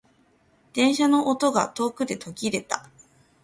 電車の音が遠くで途切れた。